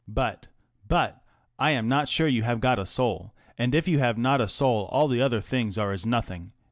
But ŌĆö but, I am not sure you have got a soul, and if you have not a soul all the other things are as nothing."